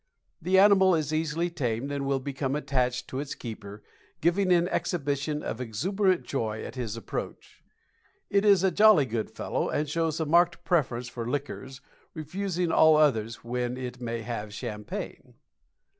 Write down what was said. The animal is easily tamed, and will become attached to its keeper, giving an exhibition of exuberant joy at his approach. It is a jolly good fellow, and shows a marked preference for liquors, refusing all others when it may have champagne.